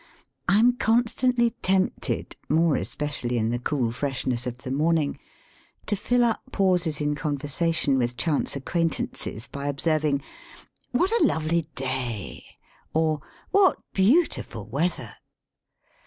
I am constantly tempted, more especially in the cool freshness of the morning, to fill up pauses in conversation with chance acquaintances by observing "What a lovely day !" or " What beautiful weather